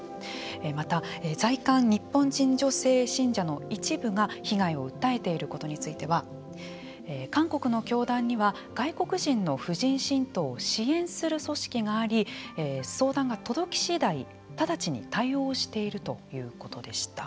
また、在韓日本人女性信者の一部が被害を訴えていることについては韓国の教団には外国人の婦人信徒を支援する組織があり相談が届き次第直ちに対応しているということでした。